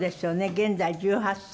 現在１８歳。